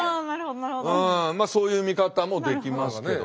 まあそういう見方もできますけどね。